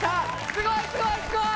すごいすごいすごい！